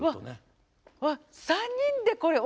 うわっ３人でこれを。